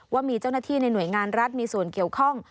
ว่ามีเจ้าหน้าที่ในหน่วยงานรัฐมีส่วนเกี่ยวข้อง